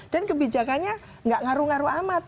dan kebijakannya nggak ngaruh ngaruh amat